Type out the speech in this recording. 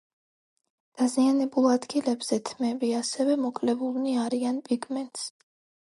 დაზიანებულ ადგილებზე თმები ასევე მოკლებულნი არიან პიგმენტს.